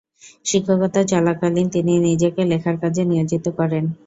শিক্ষকতা চলাকালীন তিনি নিজেকে লেখার কাজে নিয়োজিত করেন।